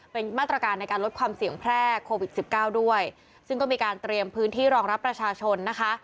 เป็นมาตรการในการลดความเสี่ยงแพร่โควิดสิบเก้าด้วยซึ่งก็มีการเตรียมพื้นที่รองรับประชาชนนะคะ